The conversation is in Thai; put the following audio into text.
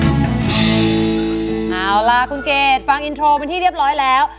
เอาล่ะคุณเกดฟังอินโทรเป็นที่เรียบร้อยแล้ว